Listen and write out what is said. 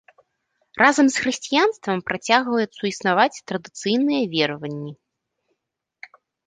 Разам з хрысціянствам працягваюць суіснаваць традыцыйныя вераванні.